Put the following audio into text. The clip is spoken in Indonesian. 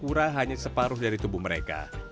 kura kura hanya separuh dari tubuh mereka